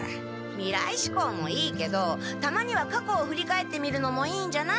未来しこうもいいけどたまには過去をふり返ってみるのもいいんじゃない？